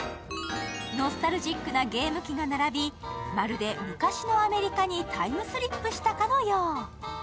ノスタルジックなゲーム機が並びまるで昔のアメリカにタイムスリップしたかのよう。